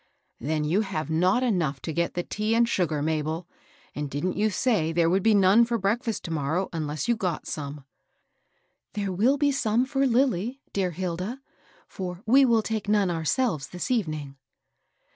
" Then you have not enough to get the tea and sugar, Mabel ? And didn't you say there would be none for breakfast to morrow, unless you got some?" " There will be some for Lilly, dear. Hilda ; for we will take none ourselves this evening."